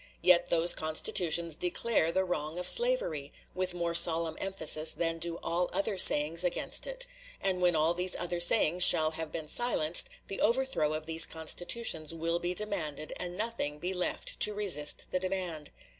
Yet those constitutions declare the wrong of slavery, with more solemn emphasis than do all other sayings against it, and when all these other sayings shall have been silenced, the overthrow of these constitutions will be demanded and nothing be left to resist the demand.